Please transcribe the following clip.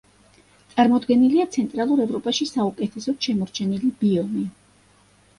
წარმოდგენილია ცენტრალურ ევროპაში საუკეთესოდ შემორჩენილი ბიომი.